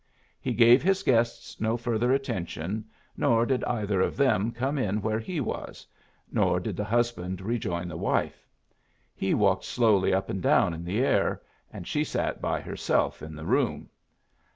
He gave his guests no further attention, nor did either of them come in where he was, nor did the husband rejoin the wife. He walked slowly up and down in the air, and she sat by herself in the room.